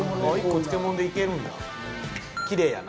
１個漬物でいけるんや。